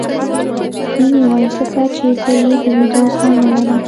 مينې وويل ځکه چې زه يې د ليدو زغم نه لرم.